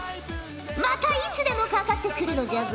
またいつでもかかってくるのじゃぞ！